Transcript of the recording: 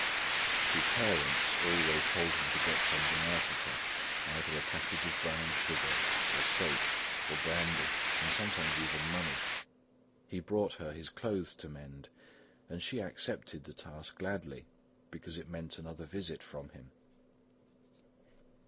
His parents always told him to get something out of her, either a package of brown sugar, or soap, or brandy, and sometimes even money. He brought her his clothes to mend, and she accepted the task gladly, because it meant another visit from him.